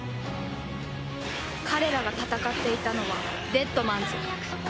彼らが戦っていたのはデッドマンズ